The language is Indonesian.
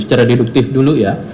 secara deduktif dulu ya